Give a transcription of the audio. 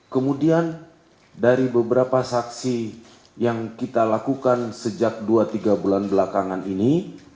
kemudian dari beberapa saksi yang kita lakukan sejak dua tiga bulan belakangan ini